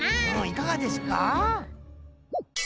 いかがですか？